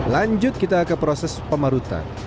lanjut kita ke proses pemarutan